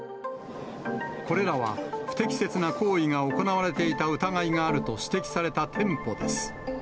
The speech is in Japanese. これらは、不適切な行為が行われていた疑いがあると指摘された店舗です。